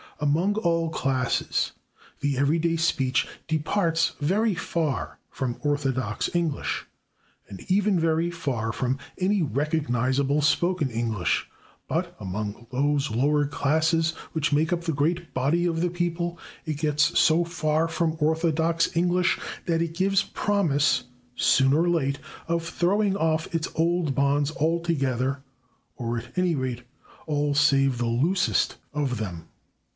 Among all classes the everyday speech departs very far from orthodox English, and even very far from any recognizable spoken English, but among those lower classes which make up the great body of the people it gets so far from orthodox English that it gives promise, soon or late, of throwing off its old bonds altogether, or, at any rate, all save the loosest of them.